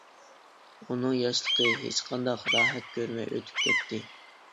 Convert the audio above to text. ئۇنىڭ ياشلىقى ھېچقانداق راھەت كۆرمەي ئۆتۈپ كەتتى.